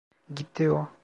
Gitti o.